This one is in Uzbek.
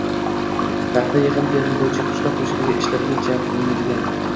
paxta yig‘im-terimi bo‘yicha qishloq xo‘jaligi ishlariga jalb qilinadigan